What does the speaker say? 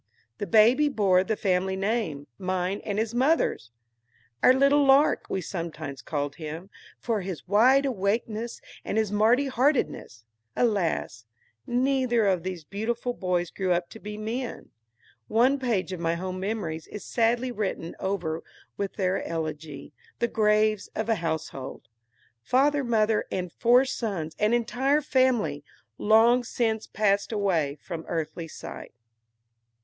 The baby bore the family name, mine and his mother's; "our little Lark," we sometimes called him, for his wide awakeness and his merry heartedness.(Alas! neither of those beautiful boys grew up to be men! One page of my home memories is sadly written over with their elegy, the "Graves of a Household." Father, mother, and four sons, an entire family, long since passed away from earthly sight.)